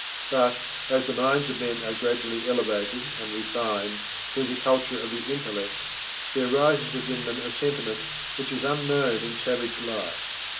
But as the minds of men are gradually elevated and refined through the culture of the intellect, there rises within them a sentiment which is unknown in savage life.